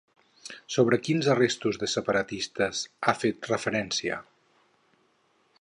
Sobre quins arrestos de separatistes ha fet referència?